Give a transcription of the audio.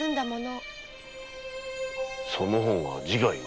その方が自害を？